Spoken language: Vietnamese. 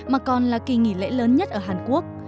mà còn là kỳ nghỉ lễ lớn nhất ở hàn quốc